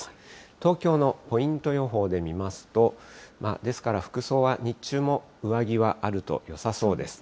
東京のポイント予報で見ますと、ですから服装は、日中も上着はあるとよさそうです。